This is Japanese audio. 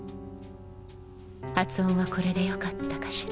発音はこれでよかったかしら？